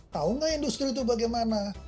tahu nggak industri itu bagaimana